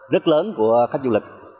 rất lớn của khách du lịch